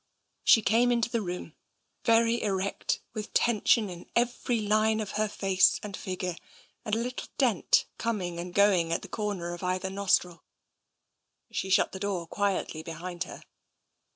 She came into the room, very erect, with tension in every line of her face and figure, and a little dent com ing and going at the corner of either nostril. She shut the door quietly behind her.